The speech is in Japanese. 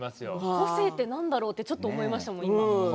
個性って何だろう？ってちょっと思いましたもん。